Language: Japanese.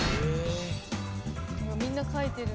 ・みんな書いてる。